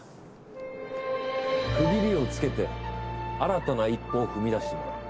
区切りをつけて新たな一歩を踏み出してもらう。